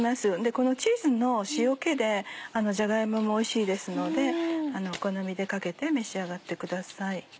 このチーズの塩気でじゃが芋もおいしいですのでお好みでかけて召し上がってください。